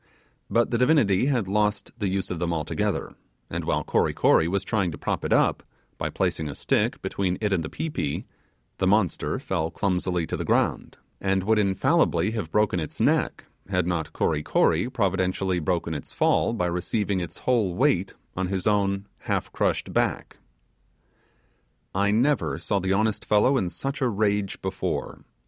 But the divinity had lost the use of them altogether; and while Kory Kory was trying to prop it up, placing a stick between it and the pi pi, the monster fell clumsily to the ground, and would have infallibly have broken its neck had not Kory Kory providentially broken its fall by receiving its whole weight on his own half crushed back. I never saw the honest fellow in such a rage before.